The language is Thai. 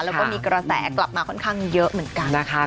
แล้วก็มีกระแสกลับมาค่อนข้างเยอะเหมือนกันนะคะ